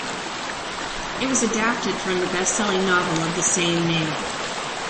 It was adapted from the bestselling novel of the same name.